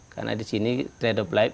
karena di sini trade of life bisa berubah